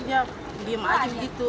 dia diam aja begitu